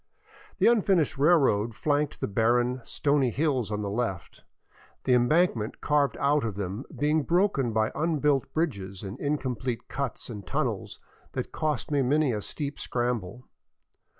The unfinished railroad flanked the barren, stony hills on the left, the embankment carved out of them being broken by unbuilt bridges and incomplete cuts and tunnels that cost me many a steep scramble.